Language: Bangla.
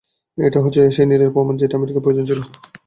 এটাই হচ্ছে সেই নিরেট প্রমাণ যেটা আমেরিকার প্রয়োজন ছিল।